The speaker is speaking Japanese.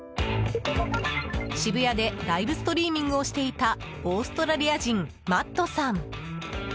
渋谷でライブストリーミングをしていたオーストラリア人、マットさん。